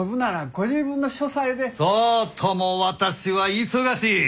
そうとも私は忙しい！